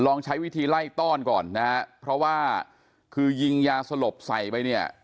ลองใช้วิธีไล่ต้อนก่อนนะฮะเพราะว่าคือยิงยาสลบใส่ไปเนี่ย